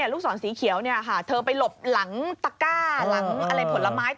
ลูกศรสีเขียวเธอไปหลบหลังตะก้า